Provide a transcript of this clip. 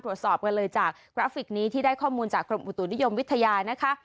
ตรวจสอบกันเลยจากกราฟิกนี้ที่ได้ข้อมูลจากกรมอุตุนิยมวิทยานะคะ